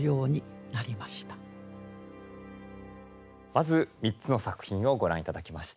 まず３つの作品をご覧頂きました。